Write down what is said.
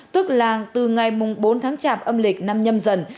tức làng từ ngày bốn tháng chạp âm lịch năm nhâm dần